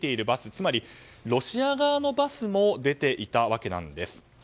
つまりロシア側のバスも出ていたわけなんです。